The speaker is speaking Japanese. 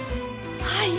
はい。